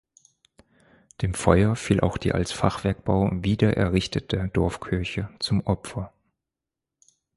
Dem Feuer fiel auch die als Fachwerkbau wiedererrichtete Dorfkirche zum Opfer.